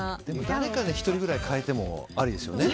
誰か１人ぐらい変えてもありですよね。